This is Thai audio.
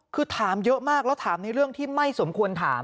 คือถามเยอะมากแล้วถามในเรื่องที่ไม่สมควรถาม